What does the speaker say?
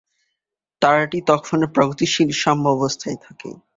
তারাটি তখন প্রগতিশীল সাম্যাবস্থায় থাকে।